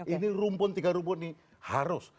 ini rumpun tiga rumput ini harus